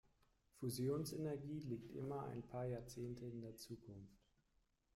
Fusionsenergie liegt immer ein paar Jahrzehnte in der Zukunft.